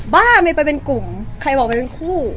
บ้าไม่ไปเป็นกลุ่มใครบอกไปเป็นคู่